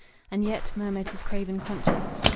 "And yet ...!" murmured his craven conscience.